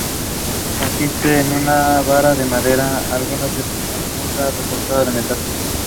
It contained seven classrooms and two recitation rooms.